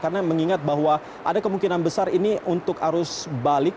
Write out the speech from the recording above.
karena mengingat bahwa ada kemungkinan besar ini untuk arus balik